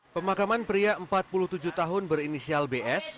pemakaman pria empat puluh tujuh tahun berinisial bs